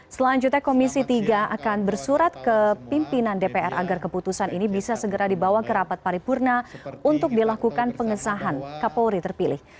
selanjutnya komisi tiga akan bersurat ke pimpinan dpr agar keputusan ini bisa segera dibawa ke rapat paripurna untuk dilakukan pengesahan kapolri terpilih